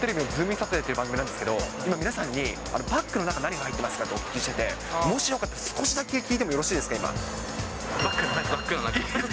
サタデーという番組なんですけど、今、皆さんにバッグの中何が入ってますかとお聞きしてまして、もしよかったら少しだけ聞いてもバッグの中ですか？